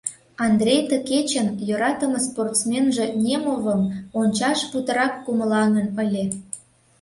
Андрей ты кечын йӧратыме спортсменже Немовым ончаш путырак кумылаҥын ыле.